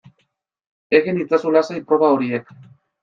Egin itzazu lasai proba horiek